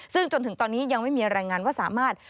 ซึ่งจนถึงตอนนี้ยังไม่มีรายงานว่าสามารถ